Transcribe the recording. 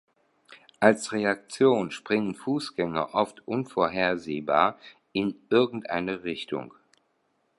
Als Reaktion springen Fußgänger oft unvorhersehbar in irgendeine Richtung.